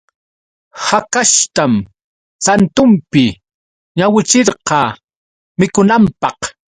Hakashtam santunpi wañuchirqa mikunanpaq.